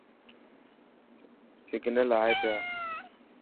سگنل آئي پيا.